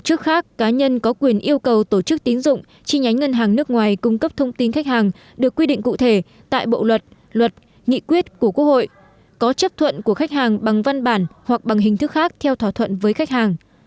tổ chức khác cá nhân có quyền yêu cầu tổ chức tín dụng chi nhánh ngân hàng nước ngoài cung cấp thông tin khách hàng được quy định cụ thể tại bộ luật luật nghị quyết của quốc hội có chấp thuận của khách hàng bằng văn bản hoặc bằng hình thức khác theo thỏa thuận với khách hàng